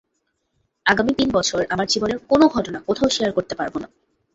আগামী তিন বছর আমার জীবনের কোনো ঘটনা কোথাও শেয়ার করতে পারব না।